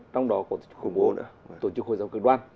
trong đó còn khủng bố nữa tổ chức hội giáo cường đoan